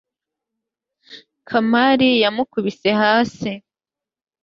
kamari yamukubise hasi